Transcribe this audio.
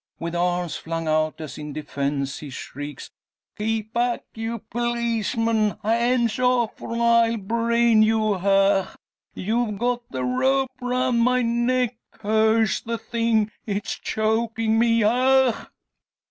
With arms flung out as in defence, he shrieks: "Keep back, you policeman! Hands off, or I'll brain you! Hach! You've got the rope round my neck! Curse the thing! It's choking me. Hach!"